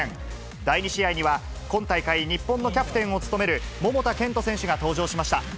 第２試合には、今大会日本のキャプテンを務める桃田賢斗選手が登場しました。